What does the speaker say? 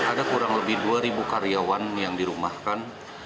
ada kurang lebih dua ribu karyawan yang dirumahkan